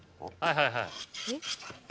はいはい。